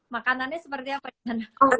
makanannya seperti apa